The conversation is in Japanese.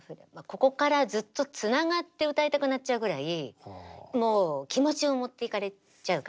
ここからずっとつながって歌いたくなっちゃうぐらいもう気持ちを持っていかれちゃうから。